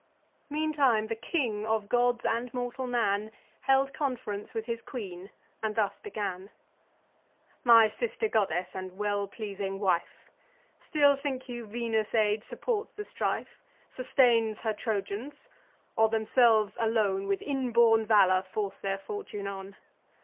Meantime the King of Gods and Mortal Man Held conference with his queen, and thus began: "My sister goddess, and well pleasing wife, Still think you Venus' aid supports the strife— Sustains her Trojans—or themselves, alone, With inborn valour force their fortune on?